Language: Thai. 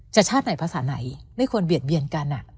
ชาติไหนภาษาไหนไม่ควรเบียดเบียนกัน